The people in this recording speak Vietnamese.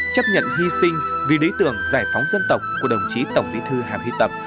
chấp nhận hi sinh vì đối tượng giải phóng dân tộc của đồng chí tổng giới thư hà huy tập